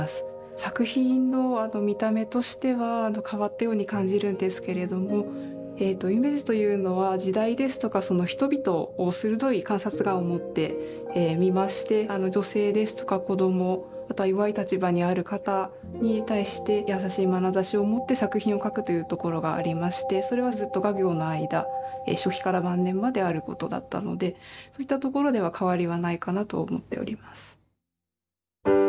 作品の見た目としては変わったように感じるんですけれども夢二というのは時代ですとかその人々を鋭い観察眼を持って見まして女性ですとか子供また弱い立場にある方に対して優しいまなざしを持って作品を描くというところがありましてそれはずっと画業の間初期から晩年まであることだったのでそういったところでは変わりはないかなと思っております。